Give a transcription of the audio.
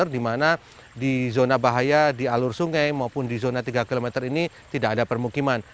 di mana di zona bahaya di alur sungai maupun di zona tiga km ini tidak ada permukiman